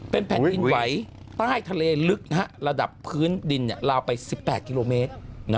เป็นแผ่นดินไหวใต้ทะเลลึกระดับพื้นดินลาวไป๑๘กิโลเมตร